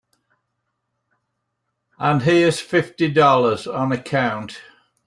And here's fifty dollars on account.